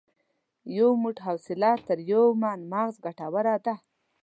یو موټ حوصله تر یو من مغز ګټوره ده.